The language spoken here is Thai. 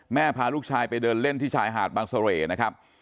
พาลูกชายไปเดินเล่นที่ชายหาดบางเสร่นะครับ